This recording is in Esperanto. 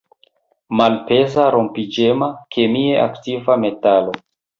Malpeza, rompiĝema, kemie aktiva metalo.